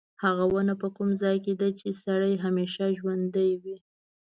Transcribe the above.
هغه ونه په کوم ځای کې ده چې سړی همیشه ژوندی وي.